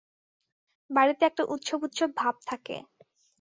বাড়িতে একটা উৎসব-উৎসব ভাব থাকে।